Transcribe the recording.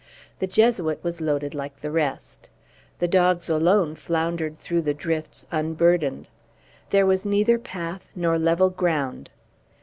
The Jesuit was loaded like the rest. The dogs alone floundered through the drifts unburdened. There was neither path nor level ground.